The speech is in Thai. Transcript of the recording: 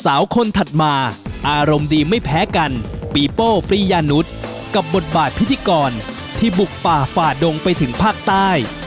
สาวคนถัดมาอารมณ์ดีไม่แพ้กันปีโป้ปรียานุษย์กับบทบาทพิธีกรที่บุกป่าฝ่าดงไปถึงภาคใต้